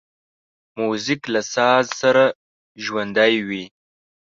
موزیک له ساز سره ژوندی وي.